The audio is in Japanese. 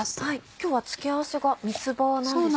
今日は付け合わせが三つ葉なんですね。